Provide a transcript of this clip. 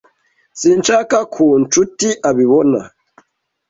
Sinshaka ko Nshuti abibona.